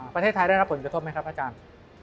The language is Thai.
ประเทศไทยได้รับผลกระทบไหมครับอาจารย์